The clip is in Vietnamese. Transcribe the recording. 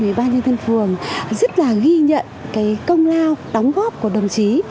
với ba nhân dân phường rất là ghi nhận công lao đóng góp của đồng chí